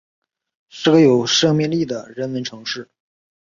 是个有生命力的人文城市